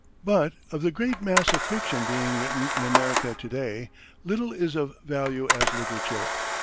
But of the great mass of fiction being written in America to day, little is of value as literature.